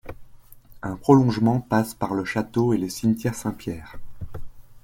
Un prolongement passe par le château et le cimetière Saint-Pierre.